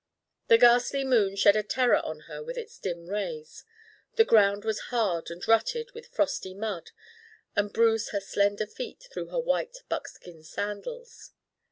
The ghastly moon shed a terror on her with its dim rays. The ground was hard and rutted with frosty mud and bruised her slender feet through her white buckskin sandals.